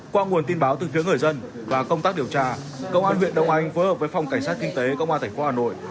qua nguồn tin báo từ phía người dân và công tác điều tra công an huyện đông anh phối hợp với phòng cảnh sát kinh tế công an tp hà nội